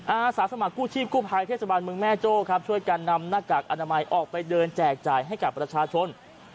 อาสาสมัครกู้ชีพกู้ภัยเทศบาลเมืองแม่โจ้ครับช่วยกันนำหน้ากากอนามัยออกไปเดินแจกจ่ายให้กับประชาชน